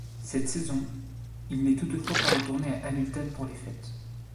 Cette saison, il n'est toutefois pas retourné à Hamilton pour les fêtes.